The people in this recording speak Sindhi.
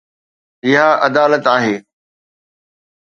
اها عدالت آهي